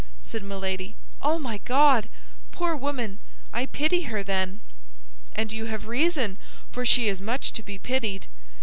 said Milady; "oh, my God! Poor woman! I pity her, then." "And you have reason, for she is much to be pitied.